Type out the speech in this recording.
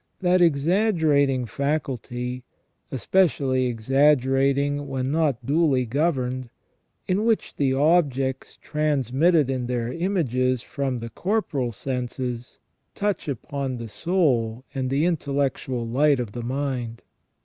that exaggerating faculty, especially exaggerating when not duly governed, in which the objects transmitted in their images from the corporal senses touch upon the soul and the intellectual light of the mind.